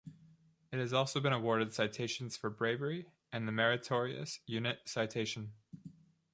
It has also been awarded citations for bravery and the meritorious unit citation.